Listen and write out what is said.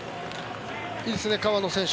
いいですね、川野選手